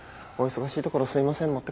お忙しいところすいません。